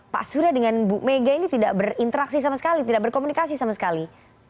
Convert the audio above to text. pak surya dengan bu mega ini tidak berinteraksi sama sekali tidak berkomunikasi sama sekali